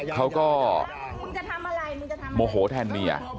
เขาก็โมโหแทนเมีย